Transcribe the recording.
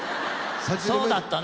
そうだったな！